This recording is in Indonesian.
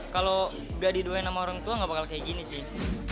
kalau gak didoain sama orang tua gak bakal kayak gini sih